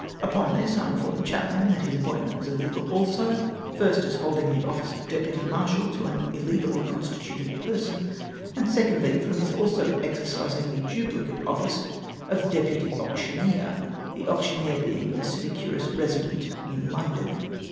Upon this I informed Chapman that his a])pointment was illegal also, first as holding the office of deputy marshal to an illegally constituted person, and secondly, fi^om his also exercising the duphcate office of deputy auc tioneer — the auctioneer being a sinecurist resident in London